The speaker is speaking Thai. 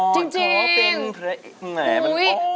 จริงหรือเปลี่ยนประไหน